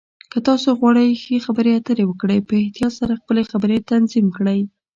که تاسو غواړئ ښه خبرې اترې وکړئ، په احتیاط سره خپلې خبرې تنظیم کړئ.